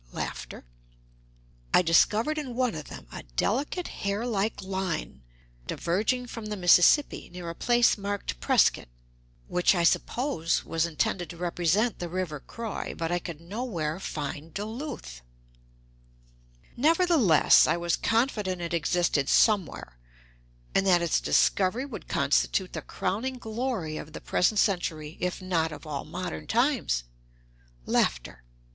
I discovered in one of them a delicate, hair like line, diverging from the Mississippi near a place marked Prescott, which I supposed was intended to represent the river St. Croix, but I could nowhere find Duluth. Nevertheless, I was confident it existed somewhere, and that its discovery would constitute the crowning glory of the present century, if not of all modern times.